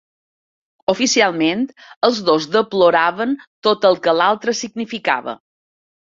Oficialment, els dos deploraven tot el que l'altre significava.